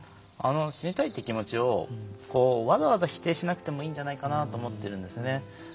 死にたいって気持ちをわざわざ否定しなくてもいいんじゃないかなと思っているんです。